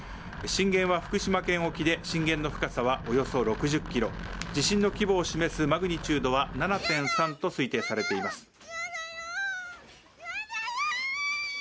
震源は福島県沖で、震源の深さはおよそ６０キロ、地震の規模を示すマグニチュードは７．３と推定されています。